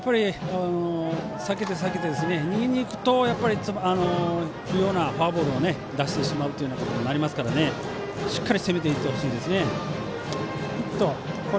避けて、避けて逃げにいくと不要なフォアボールを出してしまうことにもなりますからしっかり攻めていってほしいです。